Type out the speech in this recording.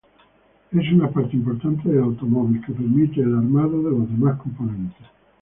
Es una parte importante del automóvil que permite el armado de los demás componentes.